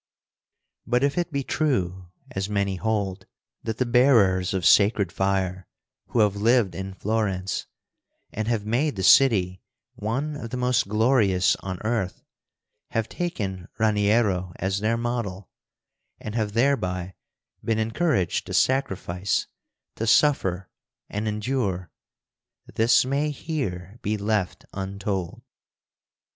But if it be true, as many hold, that the bearers of sacred fire who have lived in Florence and have made the city one of the most glorious on earth, have taken Raniero as their model, and have thereby been encouraged to sacrifice, to suffer and endure, this may here be left untold.